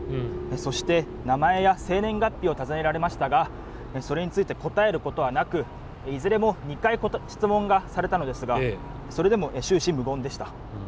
そして名前や生年月日を尋ねられましたがそれについて答えることはなくいずれも２回ほど質問をされたのですがそれでも終始無言でした。